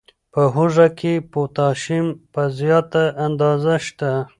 په هوږه کې پوتاشیم په زیاته اندازه شته.